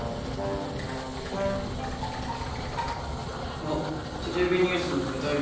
あっ「テレビニュースの舞台裏」。